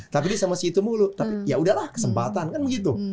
tapi dia sama si itu mulu ya udahlah kesempatan kan begitu